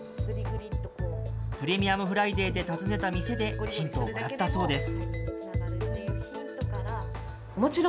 プレミアムフライデーで訪ねた店でヒントをもらったそうです。